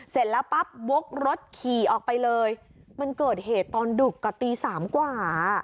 เสร็จแล้วปั๊บวกรถขี่ออกไปเลยมันเกิดเหตุตอนดึกกับตีสามกว่า